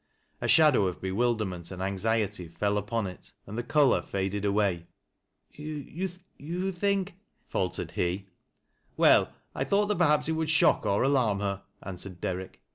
A shadow of bewilderment and anxiety fell upon it and the color faded away. " You think—" faltered he. " Well, I thought that perhaps it would shock cr alarm bcr," answered Derrick.